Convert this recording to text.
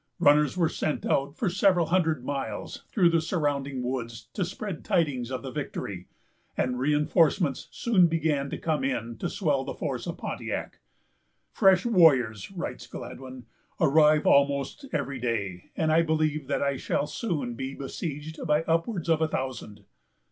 Runners were sent out for several hundred miles, through the surrounding woods, to spread tidings of the victory; and re enforcements soon began to come in to swell the force of Pontiac. "Fresh warriors," writes Gladwyn, "arrive almost every day, and I believe that I shall soon be besieged by upwards of a thousand."